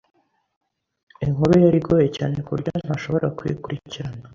Inkuru yari igoye cyane kuburyo ntashobora kuyikurikirana.